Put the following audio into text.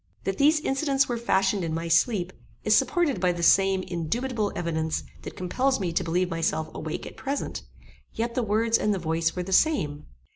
That these incidents were fashioned in my sleep, is supported by the same indubitable evidence that compels me to believe myself awake at present; yet the words and the voice were the same.